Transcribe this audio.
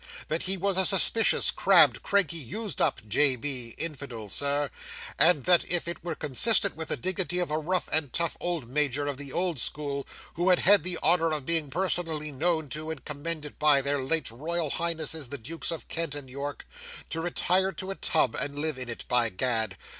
That he was a suspicious, crabbed, cranky, used up, J. B. infidel, Sir; and that if it were consistent with the dignity of a rough and tough old Major, of the old school, who had had the honour of being personally known to, and commended by, their late Royal Highnesses the Dukes of Kent and York, to retire to a tub and live in it, by Gad!